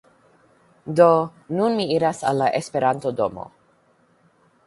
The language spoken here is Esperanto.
Do, nun mi iras al la Esperanto-domo